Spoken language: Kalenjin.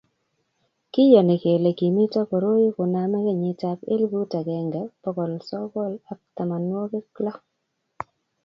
kiyoni kele kimito koroi kuname kenyitab elput agenge bokol sokol ak tamanwokik lo.